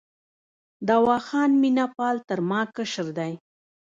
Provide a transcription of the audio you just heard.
دوا خان مینه پال تر ما کشر دی.